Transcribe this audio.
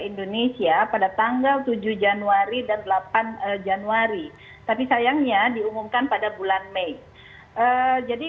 indonesia pada tanggal tujuh januari dan delapan januari tapi sayangnya diumumkan pada bulan mei jadi